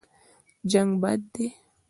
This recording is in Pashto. جنګ بد دی.